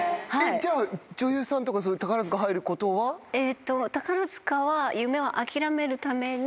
じゃあ女優さんとか宝塚入ることは？えっと。